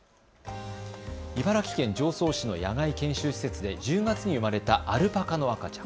茨城県常総市の野外研修施設で１０月に生まれたアルパカの赤ちゃん。